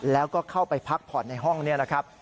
แล้วก็เข้าไปพักผ่อนในห้องนี้นะครับ